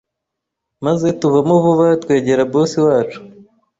maze tuvamo vuba twegera Boss wacu